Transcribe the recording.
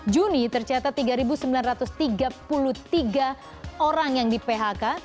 juni tercatat tiga sembilan ratus tiga puluh tiga orang yang di phk